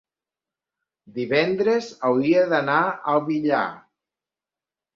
Divendres hauria d'anar al Villar.